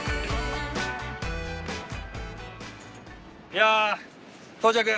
いやあ到着！